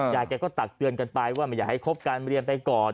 ยายแกก็ตักเตือนกันไปว่าไม่อยากให้ครบการเรียนไปก่อน